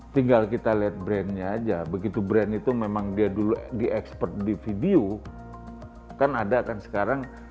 tinggal kita lihat brandnya aja begitu brand itu memang dia dulu di expert di video kan ada kan sekarang